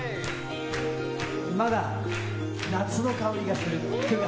まだ夏の香りがする９月。